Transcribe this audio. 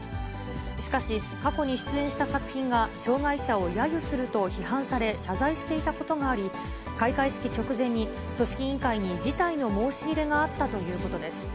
しかし、過去に出演した作品が障がい者をやゆすると批判され、謝罪していたことがあり、開会式直前に組織委員会に辞退の申し入れがあったということです。